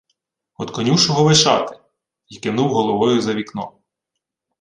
— Од конюшого Вишати... — й кивнув головою за вікно.